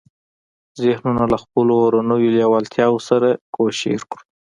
ذهنونه له خپلو اورنيو لېوالتیاوو سره کوشير کړو.